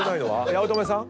八乙女さん？